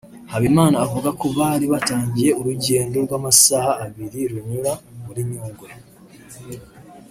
Habimana avuga ko bari batangiye urugendo rw’amasaha abiri runyura muri Nyungwe